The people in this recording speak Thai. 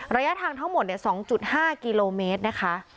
ระยะทางทั้งหมด๒๕กิโลเมตรนะคะ